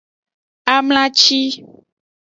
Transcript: Amlaci.